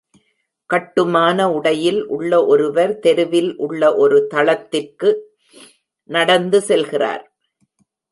கட்டுமான உடையில் உள்ள ஒருவர் தெருவில் உள்ள ஒரு தளத்திற்கு நடந்து செல்கிறார்.